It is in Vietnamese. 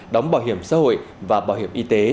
đóng bảo hiểm xã hội và bảo hiểm y tế